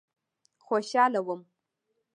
خوشاله وم.